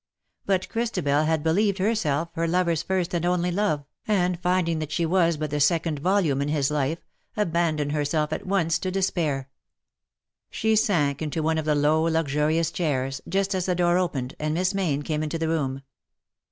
But Christabel had believed herself her lovcr^s first and only love, and finding that she 282 was but the second volume in his life, abandoned herself at once to despair* She sank into one of the low luxurious chairs, just as the door opened, and Miss Mayne came into the room.